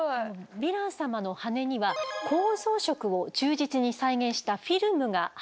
ヴィラン様の羽には構造色を忠実に再現したフィルムが貼ってあります。